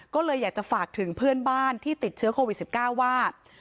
ก็เลยอยากจะฝากถึงเพื่อนบ้านที่ติดเชื้อโควิด๑๙ว่า